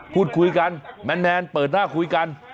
พูดคุยกันแมนเปิดหน้าคุยกัน